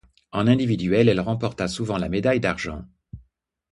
En individuel, elle remporta souvent la médaille d'argent.